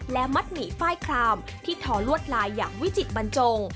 และมัดหมี่ฝ้ายคลามที่ทอลวดลายอย่างวิจิตบรรจง